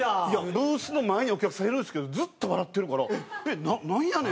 ブースの前にお客さんいるんですけどずっと笑ってるからなんやねん？